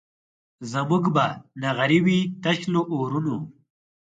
زموږ به نغري وي تش له اورونو